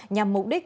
nhằm mục đích